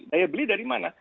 daya beli dari mana